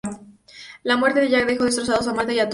La muerte de Jack dejó destrozados a Martha y a Tony.